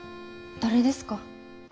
誰ですか？